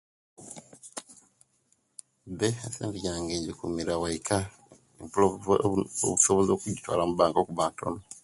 Be esente jange injikumira waika impula obuzisobozi okujitwala mubanka lwakuba ntono.